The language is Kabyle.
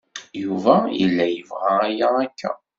Yuba yella yebɣa aya akka.